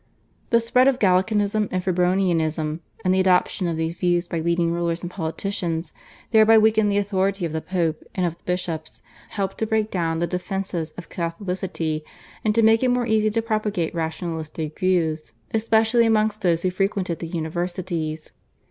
The spread of Gallicanism and Febronianism and the adoption of these views by leading rulers and politicians, thereby weakening the authority of the Pope and of the bishops, helped to break down the defences of Catholicity, and to make it more easy to propagate rationalistic views especially amongst those who frequented the universities.